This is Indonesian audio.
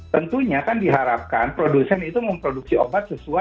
tentunya kan diharapkan produsen itu memproduksi obat yang berbeda